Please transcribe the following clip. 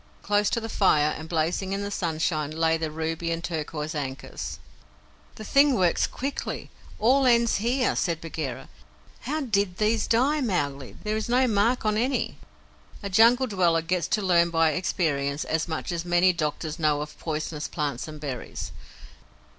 Close to the fire, and blazing in the sunshine, lay the ruby and turquoise ankus. "The thing works quickly; all ends here," said Bagheera. "How did THESE die, Mowgli? There is no mark on any." A Jungle dweller gets to learn by experience as much as many doctors know of poisonous plants and berries.